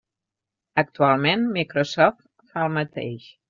Actualment, Microsoft fa el mateix.